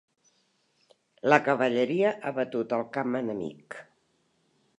La cavalleria ha batut el camp enemic.